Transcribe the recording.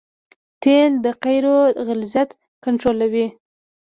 تیل د قیرو غلظت کنټرولوي